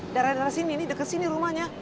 darah darah sini nih deket sini rumahnya